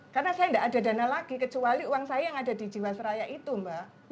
karena saya tidak ada dana lagi kecuali uang saya yang ada di jiwasraya itu mbak